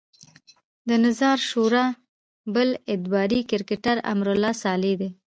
د نظار شورا بل اعتباري کرکټر امرالله صالح دی.